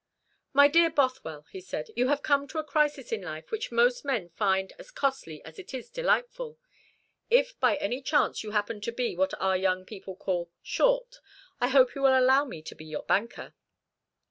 "My dear Bothwell," he said, "you have come to a crisis in life which most men find as costly as it is delightful. If by any chance you happen to be what our young people call 'short,' I hope you will allow me to be your banker."